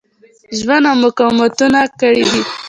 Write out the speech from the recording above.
ژوند او مقاومتونه کړي دي.